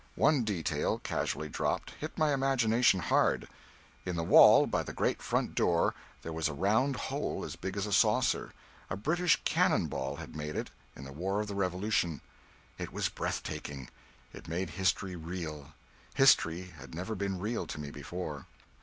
One detail, casually dropped, hit my imagination hard. In the wall, by the great front door, there was a round hole as big as a saucer a British cannon ball had made it, in the war of the Revolution. It was breath taking; it made history real; history had never been real to me before.